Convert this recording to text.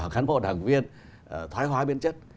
cán bộ đảng viên thoái hóa biên chất